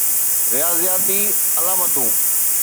رياضياتي علامتون